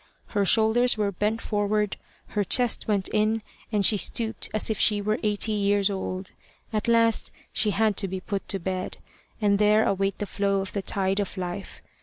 Her shoulders were bent forward, her chest went in, and she stooped as if she were eighty years old. At last she had to be put to bed, and there await the flow of the tide of life.